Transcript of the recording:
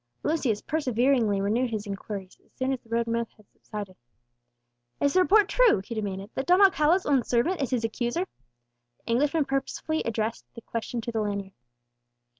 Lucius perseveringly renewed his inquiries as soon as the rude mirth had subsided. "Is the report true," he demanded, "that Don Alcala's own servant is his accuser?" The Englishman purposely addressed the question to the landlord.